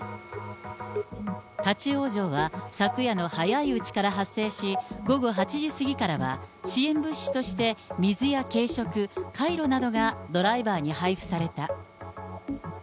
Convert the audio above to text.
立往生は昨夜の早いうちから発生し、午後８時過ぎからは、支援物資として水や軽食、カイロなどがドライバーに配布された。